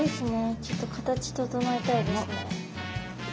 ちょっと形整えたいですね。